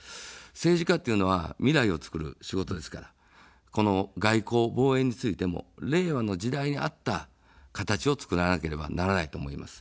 政治家というのは未来をつくる仕事ですから、この外交、防衛についても令和の時代に合った形をつくらなければならないと思います。